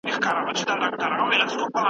که پانګونه زياته سي اقتصاد ښه کېږي.